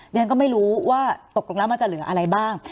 เรียนก็ไม่รู้ว่าตกลงแล้วมันจะเหลืออะไรบ้าง